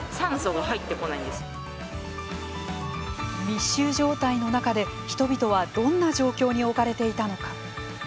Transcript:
密集状態の中で、人々はどんな状況に置かれていたのか。